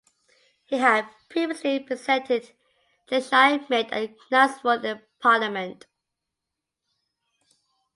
He had previously represented Cheshire Mid and Knutsford in Parliament.